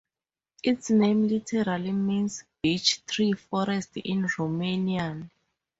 Its name literally means "beech tree forest" in Romanian.